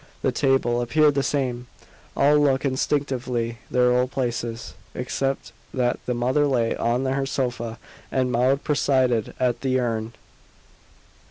The table appeared the same; all took instinctively their old places, except that the mother lay on her sofa and Maud presided at the urn.